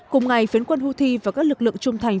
cùng ngày phiến quân houthi và các lực lượng trung thành